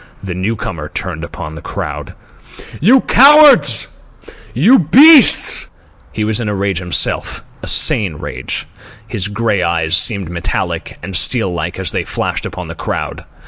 The newcomer turned upon the crowd. "You cowards!" he cried. "You beasts!" He was in a rage himself—a sane rage. His grey eyes seemed metallic and steel like as they flashed upon the crowd.